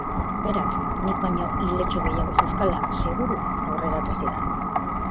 Berak, nik baino iletxo gehiago zeuzkala, seguru, aurreratu zidan.